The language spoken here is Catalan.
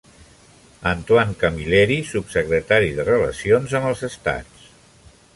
Antoine Camilleri, subsecretari de relacions amb els estats.